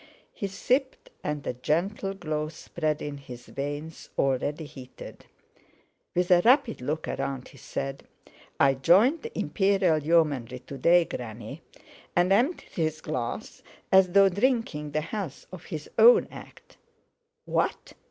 He sipped, and a gentle glow spread in his veins, already heated. With a rapid look round, he said, "I joined the Imperial Yeomanry to day, Granny," and emptied his glass as though drinking the health of his own act. "What!"